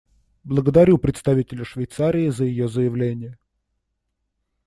Благодарю представителя Швейцарии за ее заявление.